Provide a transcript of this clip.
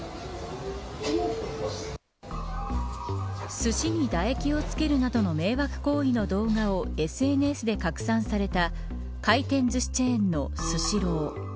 すしに唾液を付けるなどの迷惑行為の動画をＳＮＳで拡散された回転ずしチェーンのスシロー。